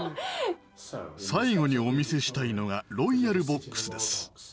最後にお見せしたいのがロイヤルボックスです。